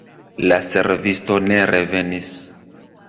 La servisto ne revenis.